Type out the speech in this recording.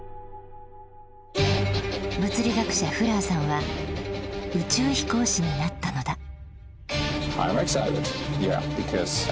物理学者フラーさんは宇宙飛行士になったのだ。